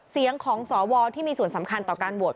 เสียงของสวที่มีส่วนสำคัญต่อการโหวต